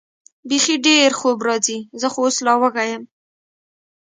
بېخي ډېر خوب راځي، زه خو اوس لا وږی یم.